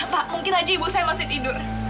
pak mungkin aja ibu saya masih tidur